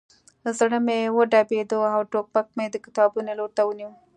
زړه مې وډبېده او ټوپک مې د کتابونو لور ته ونیو